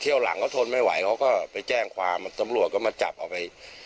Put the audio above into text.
หลังเขาทนไม่ไหวเขาก็ไปแจ้งความตำรวจก็มาจับเอาไป